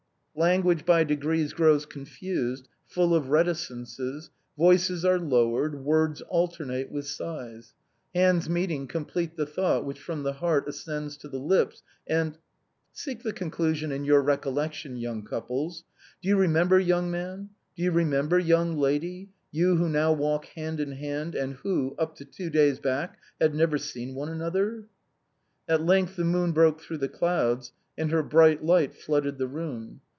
Language by degrees grows confused, full of reticences; voices are lowered; words alternate with sighs. Hands meeting complete the thought which from the heart as cends to the lips, and — Seek the conclusion in your recol lection, young couples. Do you remember, young man ; do you remember, young lady, you who now walk hand in hand, and who, up to two days back, had never seen one another ? At length the moon broke through the clouds, and her bright light flooded the room.